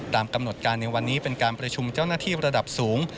ตามกำหนดการในวันนี้เป็นการประชุมเจ้าหน้าที่ระดับสูง